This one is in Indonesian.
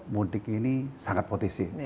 mudik ini sangat potensi